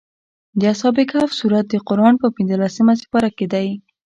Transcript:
د اصحاب کهف سورت د قران په پنځلسمه سېپاره کې دی.